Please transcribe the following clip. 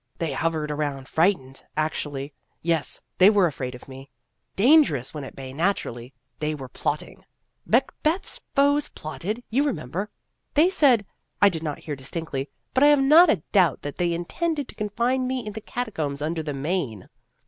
They hovered around, frightened actually, yes, they were afraid of me. Dangerous when at bay, naturally. They were plotting. Macbeth's foes plotted, you remember. They said I did not hear distinctly, but I have not a doubt that they intended to confine me in the catacombs under the Main.